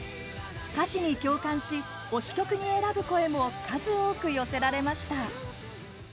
歌詞に共感し、推し曲に選ぶ声も数多く寄せられました。